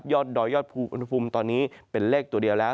ยอดดอยยอดภูมิตอนนี้เป็นเลขตัวเดียวแล้ว